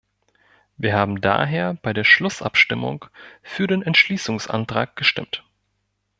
Wir haben daher bei der Schlussabstimmung für den Entschließungsantrag gestimmt.